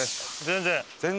全然。